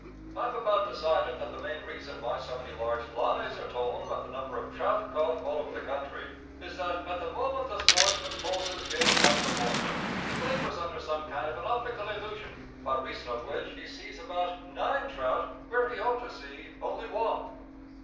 I've about decided that the main reason why so many large lies are told about the number of trout caught all over the country, is that at the moment the sportsman pulls his game out of the water, he labors under some kind of an optical illusion, by reason of which he sees about nine trout where he ought to see only one.